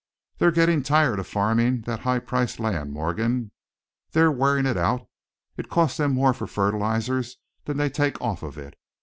"They're getting tired of farming that high priced land, Morgan. They're wearing it out, it costs them more for fertilizers than they take off of it.